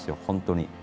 本当に。